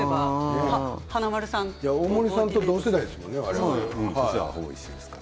大森さんと同世代ですよ。